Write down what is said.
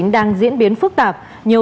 đang diễn biến phức tạp